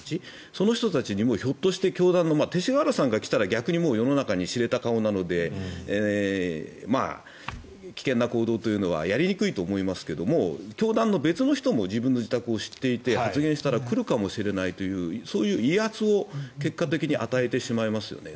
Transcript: その人たちにもひょっとして教団の勅使河原さんが来たら逆に世の中に知れた顔なので危険な行動というのはやりにくいと思いますが教団の別の人も自分の自宅を知っていて発言したら来るかもしれないというそういう威圧を結果的に与えてしまいますよね。